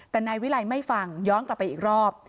แต่นายวิลัยไม่ฟังย้อนกลับไปอีกรอบ